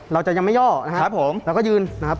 เราก็ยังไม่ย่อนะฮะครับผมแล้วก็ยืนนะครับ